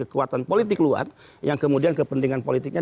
kekuatan politik luar yang kemudian kepentingan politiknya